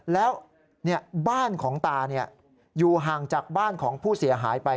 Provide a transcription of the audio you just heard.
แล้วบ้านของตาอยู่ห่างจากบ้านของผู้เสียหายไป